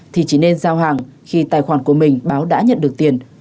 thì chỉ nên giao hàng khi tài khoản của mình báo đã nhận được tiền